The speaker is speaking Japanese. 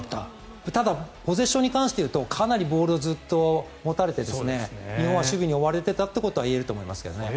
ただポゼッションに関して言うとかなりボールをずっと持たれて日本は守備に追われてたってことは言えると思いますけどね。